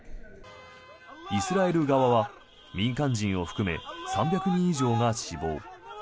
イスラエル側は民間人を含め３００人以上が死亡。